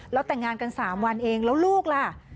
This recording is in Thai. แล้วแต่งงานกัน๓วันเองแล้วลูกล่ะ